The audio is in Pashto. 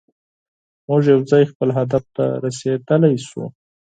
موږ یوځای خپل هدف ته رسیدلی شو.